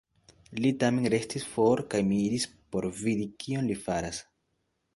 Li tamen restis for kaj mi iris por vidi, kion li faras.